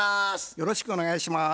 よろしくお願いします。